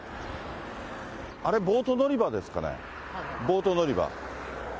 あれ、ボート乗り場ですかね、ボート乗り場。